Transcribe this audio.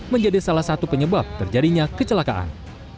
menjadi salah satu penyebab terjadinya kecelakaan